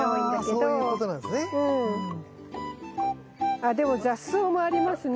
あっでも雑草もありますね。